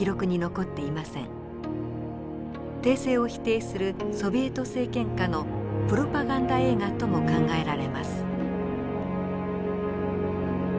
帝政を否定するソビエト政権下のプロパガンダ映画とも考えられます。